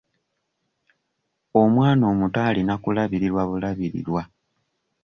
Omwana omuto ayina kulabirirwa bulabirirwa.